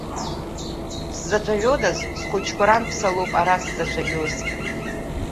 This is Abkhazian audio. Сзацәажәодаз, схәыҷқәа ранԥса лоуп ара сзацәажәоз.